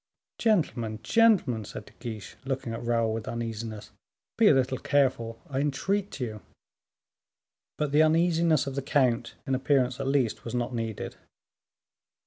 "Gentlemen, gentlemen," said De Guiche, looking at Raoul with uneasiness, "be a little careful, I entreat you." But the uneasiness of the count, in appearance at least, was not needed.